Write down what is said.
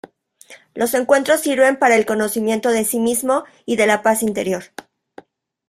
Los encuentros sirven para el conocimiento del Sí mismo y de la paz interior.